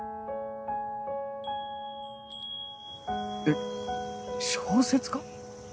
えっ小説家？